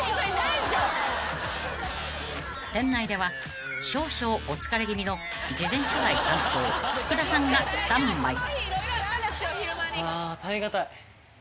［店内では少々お疲れ気味の事前取材担当福田さんがスタンバイ］